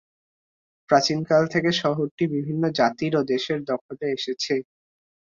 প্রাচীনকাল থেকে শহরটি বিভিন্ন জাতির ও দেশের দখলে এসেছে।